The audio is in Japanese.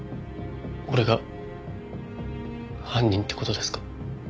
俺が犯人って事ですか？